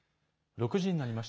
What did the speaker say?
６時になりました。